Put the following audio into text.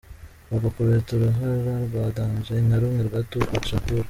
Bagukubita uruhara rwa ’danger’ nka rumwe rwa Tupac Shakur.